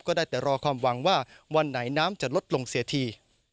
ก็ได้แต่รอความหวังว่าวันไหนน้ำจะลดลงเสียที